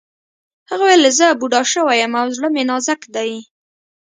هغه وویل چې زه بوډا شوی یم او زړه مې نازک دی